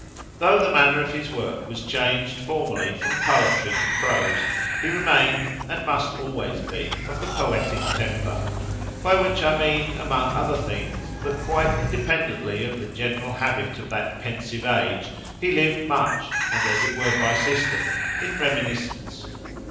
Though the manner of his work was changed formally from poetry to prose, he remained, and must always be, of the poetic temper: by which, I mean, among other things, that quite independently of the general habit of that pensive age he lived much, and as it were by system, in reminiscence.